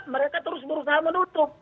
mereka terus berusaha menutup